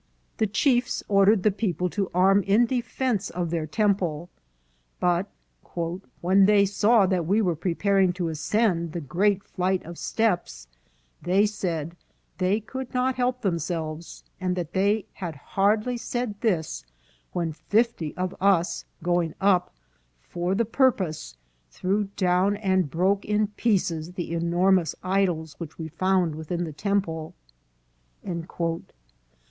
The chiefs ordered the people to arm in defence of their BERNAL DIAZ ON THE TEMPLES. 447 tempie ;" but when they saw that we were preparing to ascend the great flight of steps," they said " they could not help themselves ; and they had hardly said this, when fifty of us, going up for the purpose, threw down and broke in pieces the enormous idols which we found within the temple."